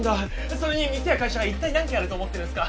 それに店や会社が一体何軒あると思ってるんすか？